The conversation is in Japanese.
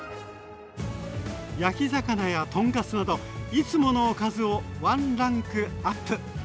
焼き魚や豚カツなどいつものおかずをワンランクアップ！